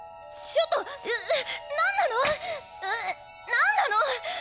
何なの！